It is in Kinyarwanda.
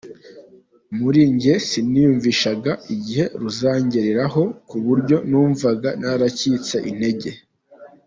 Muri njye siniyumvishaga igihe ruzangereraho kuburyo numvaga naracitse n’intege.